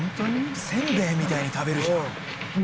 せんべいみたいに食べるじゃん。